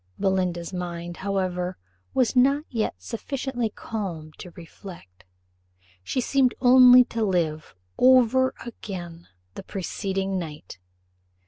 Belinda's mind, however, was not yet sufficiently calm to reflect; she seemed only to live over again the preceding night.